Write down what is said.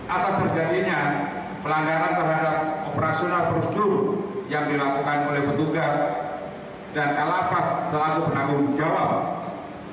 atas terjadinya pelanggaran terhadap operasional prosedur yang dilakukan oleh petugas dan kalapas selalu penanggung jawab